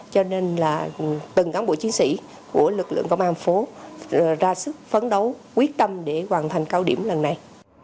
cho nên là từng cán bộ chiến sĩ của lực lượng công an phố ra sức phấn đấu quyết tâm để hoàn thành cao điểm lần này